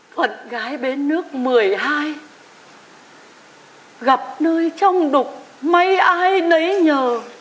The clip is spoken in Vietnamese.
thuận gái bến nước một mươi hai gặp nơi trong đục mây ai nấy nhờ